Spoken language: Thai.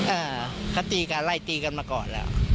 อ่าเขาตีกันไล่ตีกันมาก่อนแล้ว